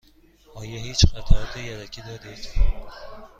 آیا هیچ قطعات یدکی دارید؟